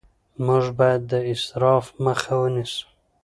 موږ باید د اسراف مخه ونیسو